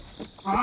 あ！